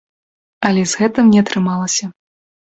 Але з гэтым не атрымалася.